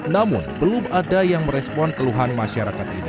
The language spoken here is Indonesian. namun belum ada yang merespon keluhan masyarakat ini